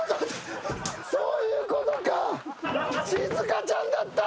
そういうことか！